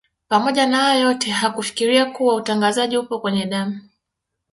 Pamoja na hayo yote hakufikiria kuwa utangazaji upo kwenye damu